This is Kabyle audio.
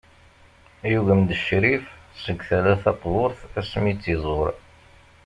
Yugem-d Ccrif seg tala taqburt asmi i tt-iẓur.